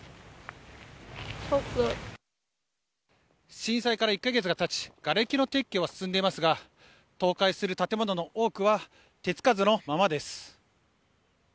震災から１カ月がたちがれきの撤去は進んでいますが倒壊する建物の多くは手付かずのままです。